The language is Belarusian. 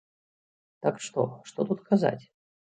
Так што, што тут казаць?